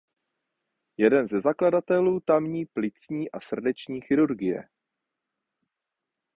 Jeden ze zakladatelů tamní plicní a srdeční chirurgie.